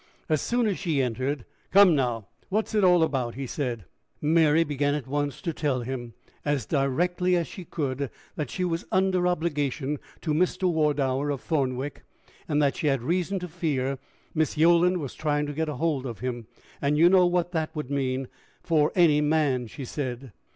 As soon as she entered "Come, now, what's it all about?" he said. Mary began at once to tell him, as directly as she could, that she was under obligation to Mr. Wardour of Thornwick, and that she had reason to fear Miss Yolland was trying to get a hold of him "And you know what that would be for any man!" she said.